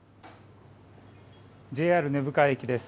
ＪＲ根府川駅です。